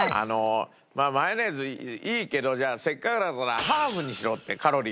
マヨネーズいいけどせっかくだからハーフにしろってカロリー。